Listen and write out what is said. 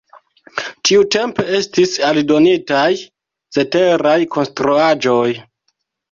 Tiutempe estis aldonitaj ceteraj konstruaĵoj.